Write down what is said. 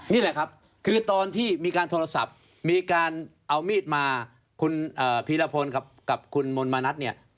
นี่แหละครับคือตอนที่มีการโทรศัพท์มีการเอามีดมาคุณพีรพลกับคุณมนต์มานัดเนี่ย